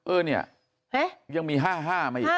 เออเนี่ยยังมี๕๕ได้หรือ